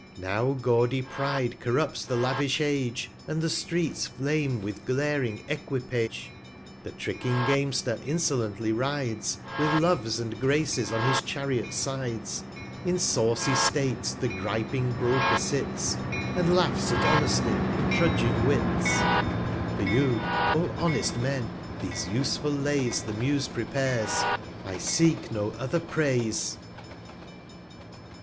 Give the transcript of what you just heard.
j& Now gaudy Pride corrupts the lavish Age, And the Streets flame with glaring Equipage ;\ The tricking Gamester insolently rides, 115 With Loves and Graces on his Chariots Sides ; In sawcy State the griping Broker sits, And laughs at Honesty, and trudging Wits : For you, O honest Men, these useful Lays The Muse prepares ; I seek no other Praise.